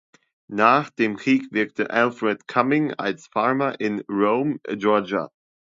Nach dem Krieg wirkte Alfred Cumming als Farmer in Rome, Georgia.